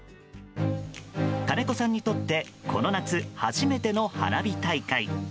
金子さんにとってこの夏初めての花火大会。